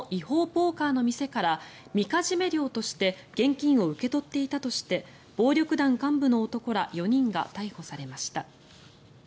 ポーカーの店からみかじめ料として現金を受け取っていたとして暴力団幹部の男ら４人が逮捕されました。